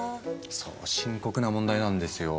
そう深刻な問題なんですよ。